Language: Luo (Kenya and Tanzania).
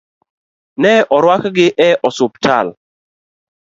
Ne orwakgi e osiptal.